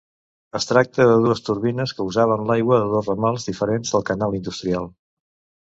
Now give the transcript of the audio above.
Es tracta de dues turbines que usaven l'aigua de dos ramals diferents del canal industrial.